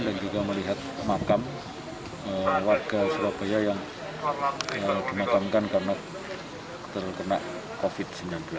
dan juga melihat makam warga surabaya yang dimakamkan karena terkena covid sembilan belas